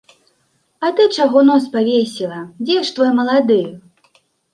А ты чаго нос павесіла, дзе ж твой малады?